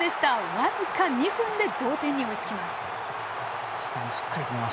僅か２分で同点に追いつきます。